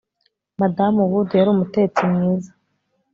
madamu wood yari umutetsi mwiza